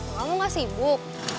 kamu gak sibuk